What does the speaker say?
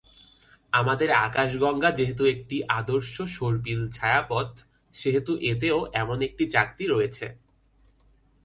আমাদের আকাশগঙ্গা যেহেতু একটি আদর্শ সর্পিল ছায়াপথ সেহেতু এতেও এমন একটি চাকতি রয়েছে।